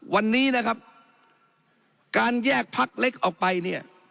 วันนี้นะครับการแยกพักเล็กออกไปเนี่ย